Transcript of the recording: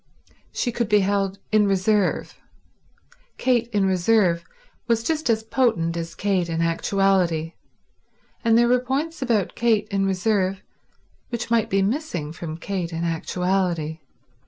She could be held in reserve. Kate in reserve was just as potent as Kate in actuality, and there were points about Kate in reserve which might be missing from Kate in actuality.